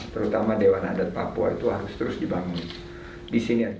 terutama dewan adat